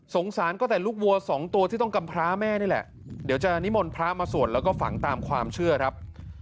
สารก็แต่ลูกวัวสองตัวที่ต้องกำพร้าแม่นี่แหละเดี๋ยวจะนิมนต์พระมาสวดแล้วก็ฝังตามความเชื่อครับ